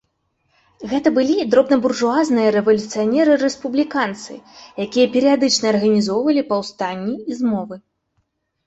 Гэта былі дробнабуржуазныя рэвалюцыянеры-рэспубліканцы, якія перыядычна арганізоўвалі паўстанні і змовы.